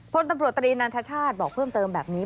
พลตำรวจตรีนันทชาติบอกเพิ่มเติมแบบนี้